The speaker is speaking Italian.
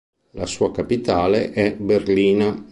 La sua capitale è Berlina.